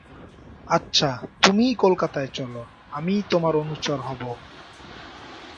আচ্ছা, তুমিই কলকাতায় চলো, আমিই তোমার অনুচর হব।